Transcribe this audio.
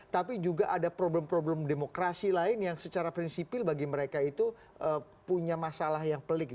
tapi juga ada problem problem demokrasi lain yang secara prinsipil bagi mereka itu punya masalah yang pelik